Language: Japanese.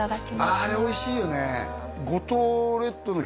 あれおいしいよね